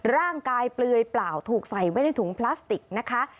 เปลือยเปล่าถูกใส่ไว้ในถุงพลาสติกนะคะ